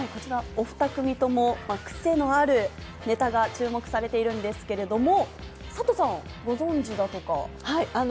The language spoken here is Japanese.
お２組ともクセのあるネタが注目されているんですけれども、サトさん、ご存じだとか。